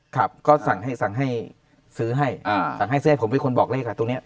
ครับก็สั่งให้ซื้อให้สั่งให้ซื้อให้ผมเป็นคนบอกเลขค่ะตรงนี้